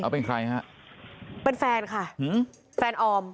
เป็นแฟนค่ะ